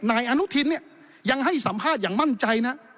นายอนุทินเนี่ยยังให้สัมภาษณ์อย่างมั่นใจนะ